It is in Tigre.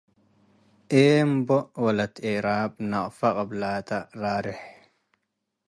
ኤምቦ ወለት ኤራብ ነቅፈ ቅብላተ ረርሕ